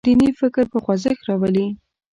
دیني فکر په خوځښت راولي.